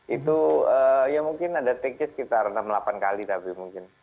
itu ya mungkin ada take nya sekitar enam puluh delapan kali tapi mungkin